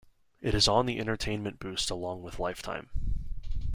It is on the Entertainment Boost along with Lifetime.